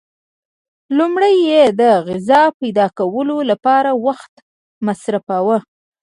لومړی یې د غذا پیدا کولو لپاره وخت مصرفاوه.